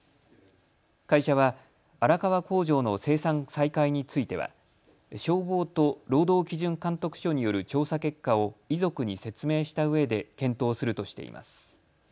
会社は荒川工場の生産再開については消防と労働基準監督署による調査結果を遺族に説明したうえで検討するとしています。